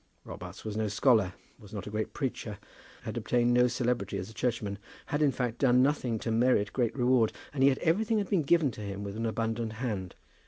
Robarts was no scholar, was not a great preacher, had obtained no celebrity as a churchman, had, in fact, done nothing to merit great reward; and yet everything had been given to him with an abundant hand.